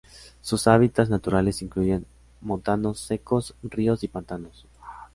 Sus hábitats naturales incluyen montanos secos, ríos y pantanos.